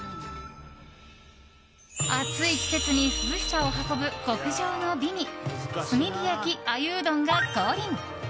暑い季節に涼しさを運ぶ極上の美味炭火焼鮎うどんが降臨。